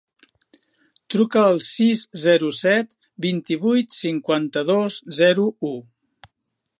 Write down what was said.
Truca al sis, zero, set, vint-i-vuit, cinquanta-dos, zero, u.